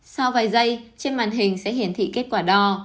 sau vài giây trên màn hình sẽ hiển thị kết quả đo